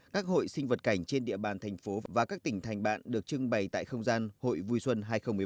các hội sinh vật cảnh trên địa bàn thành phố và các tỉnh thành bạn được trưng bày tại không gian hội vui xuân hai nghìn một mươi bảy